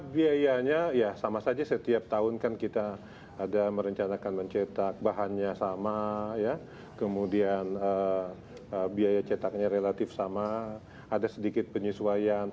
biayanya ya sama saja setiap tahun kan kita ada merencanakan mencetak bahannya sama kemudian biaya cetaknya relatif sama ada sedikit penyesuaian